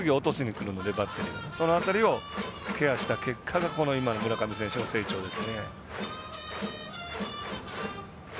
その辺りをケアした結果が今の村上選手の成長です。